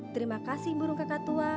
terima kasih burung kakak tua